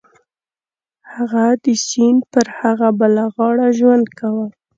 هغه د سیند پر هغه بله غاړه ژوند کاوه.